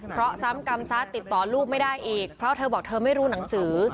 เพราะซ้ำกรรมซะติดต่อลูกไม่ได้อีกเพราะเธอบอกเธอไม่รู้หนังสือ